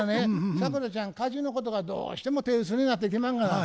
サクラちゃん家事のことがどうしても手薄になってきまんがな。